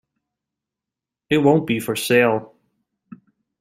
It won't be for sale.